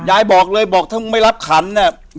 ยายบอกเลยบอกถ้ามึงไม่รับขันเนี่ย